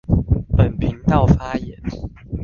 本頻道發言